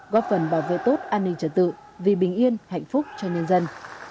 góp phần bảo vệ tốt an ninh trật tự vì bình yên hạnh phúc cho nhân dân